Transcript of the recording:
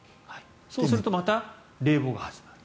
そうすると、また冷房が始まる。